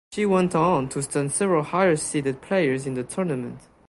She went on to stun several higher seeded players in the tournament.